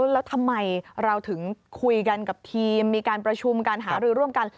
แล้วทำไมเราถึงคุยกันกับทีมมีการประชุมการหารือร่วมกัน